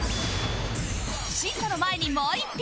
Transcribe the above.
審査の前にもう一品